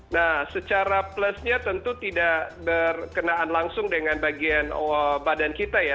nah secara plusnya tentu tidak berkenaan langsung dengan bagian badan kita ya